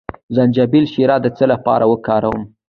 د زنجبیل شیره د څه لپاره وکاروم؟